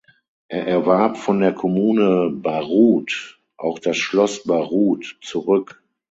Er erwarb von der Kommune Baruth auch das Schloss Baruth zurück.